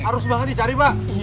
harus banget nih cari pak